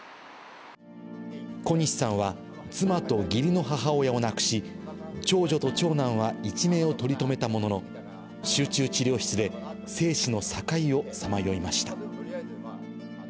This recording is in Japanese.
小西さんは妻と義理の母親を亡くし、長女と長男は一命を取り留めたものの、集中治療室で生死の境をさまよいました。